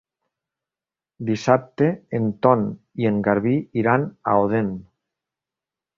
Dissabte en Ton i en Garbí iran a Odèn.